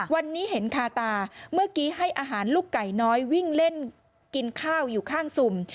วันนี้เห็นคาตาเมื่อกี้ให้อาหารลูกไก่น้อยวิ่งเล่นกินข้าวอยู่ข้างสุ่ม